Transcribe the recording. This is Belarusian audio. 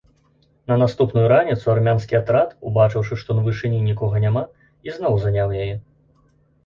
На наступную раніцу армянскі атрад, убачыўшы, што на вышыні нікога няма, ізноў заняў яе.